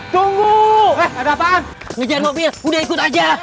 tunggu ada apaan ngejar mobil udah ikut aja